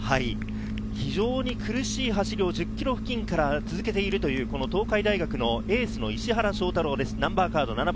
非常に苦しい走りを１０ｋｍ地点から続けているという東海大学のエースの石原翔太郎です。